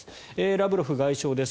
ラブロフ外相です。